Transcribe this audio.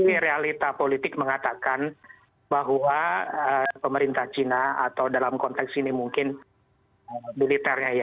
ini realita politik mengatakan bahwa pemerintah china atau dalam konteks ini mungkin militernya ya